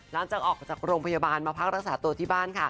หลังจากออกจากโรงพยาบาลมาพักรักษาตัวที่บ้านค่ะ